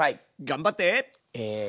頑張って！